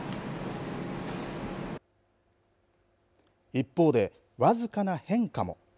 一方で、僅かな変化も。